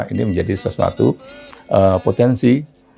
ini menjadi sesuatu potensi